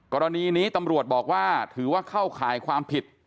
กรณีนี้ตำรวจบอกว่าถือว่าเข้าข่ายความผิด